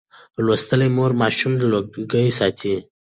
لوستې مور ماشوم له لوګي ساتي.